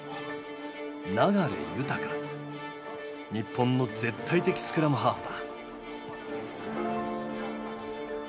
日本の絶対的スクラムハーフだ。